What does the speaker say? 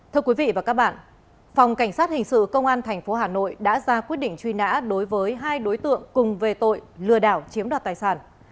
thưa quý vị và các bạn phòng cảnh sát hình sự công an tp hà nội đã ra quyết định truy nã đối với hai đối tượng cùng về tội lừa đảo chiếm đoạt tài sản